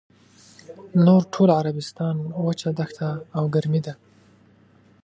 نور ټول عربستان وچه دښته او ګرمي ده.